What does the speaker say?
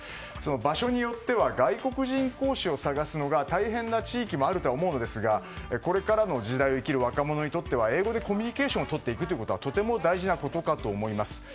場所によっては外国人講師を探すのが大変な地域もあると思うのですがこれからの時代を生きる若者にとっては英語でコミュニケーションをとっていくことはとても大事なことかと思います。